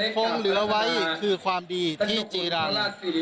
คงเหลือไว้คือความดีที่จีรัง